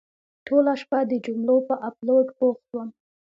ټوله شپه د جملو په اپلوډ بوخت وم.